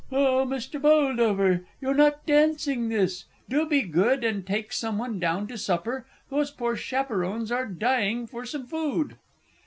Oh, Mr. Boldover, you're not dancing this do be good and take some one down to supper those poor Chaperons are dying for some food.